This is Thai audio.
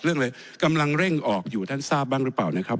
เรื่องอะไรกำลังเร่งออกอยู่ท่านทราบบ้างหรือเปล่านะครับ